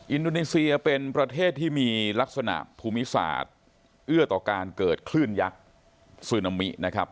อินโดนีเซียเป็นประเทศที่มีลักษณะภูมิศาสตร์เอื้อต่อการเกิดคลื่นยักษ์ซึนามินะครับ